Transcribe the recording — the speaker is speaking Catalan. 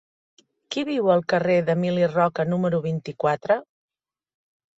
Qui viu al carrer d'Emili Roca número vint-i-quatre?